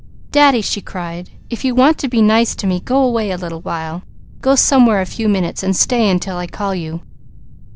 "Daddy," she cried, "if you want to be nice to me, go away a little while. Go somewhere a few minutes and stay until I call you."